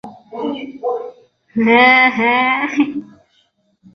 但与其他三个直辖市相比面积依然是最大的。